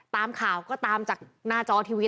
ตามข่าวก็ตามจากหน้าจอทีวี